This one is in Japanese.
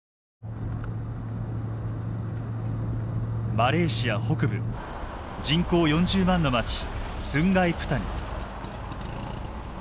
マレーシア北部人口４０万の街スンガイプタニ。